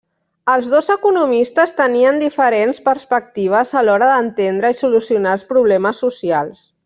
Els dos economistes tenien diferents perspectives a l'hora d'entendre i solucionar els problemes socials.